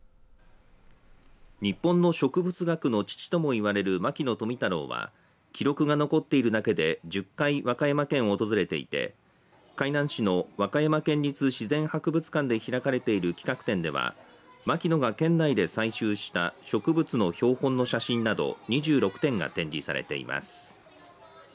日本の植物学の父ともいわれる牧野富太郎は記録が残っているだけで１０回和歌山県を訪れていて海南市の和歌山県立自然博物館で開かれている企画展では牧野が県内で採集した植物の標本の写真など２６点が展示されています。